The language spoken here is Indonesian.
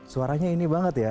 suaranya ini banget ya